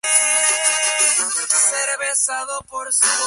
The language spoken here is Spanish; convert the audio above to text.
Jenna es una camarera infeliz embarazada por su esposo controlador.